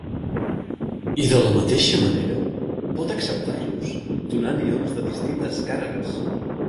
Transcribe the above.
I de la mateixa manera, pot acceptar-los, donant ions de distintes càrregues.